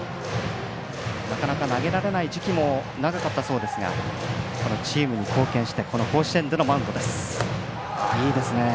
なかなか投げられない時期も長かったそうですがチームに貢献して甲子園でのマウンドです。